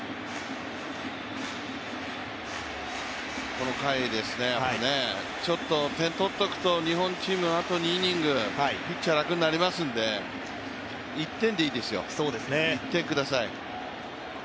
この回、ちょっと点を取っておくと、日本チームあと２イニング、ピッチャー楽になりますんで、１点でいいですよ、１点ください。